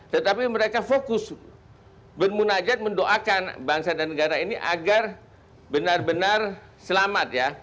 tetapi mereka fokus bermunajat mendoakan bangsa dan negara ini agar benar benar selamat ya